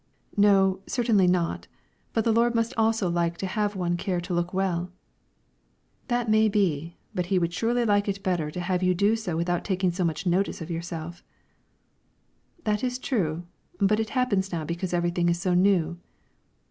"No, certainly not, but the Lord must also like to have one care to look well." "That may be; but He would surely like it better to have you do so without taking so much notice of it yourself." "That is true; but it happens now because everything is so new."